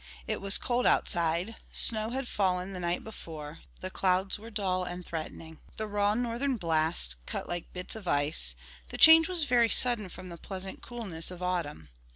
It was cold outside; snow had fallen the night before; the clouds were dull and threatening. The raw northern blasts cut like bits of ice; the change was very sudden from the pleasant coolness of autumn.